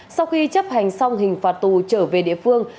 sau khi chấp hành xong hình phạt tù trở về địa phương